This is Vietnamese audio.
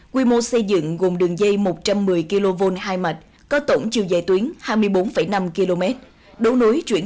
quy mô xây dựng gồm đường dây một trăm một mươi kv hai mạch có tổng chiều dài tuyến hai mươi bốn năm km chuyển